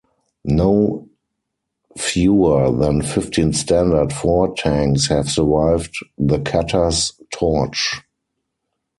No fewer than fifteen Standard Four tanks have survived the cutter's torch.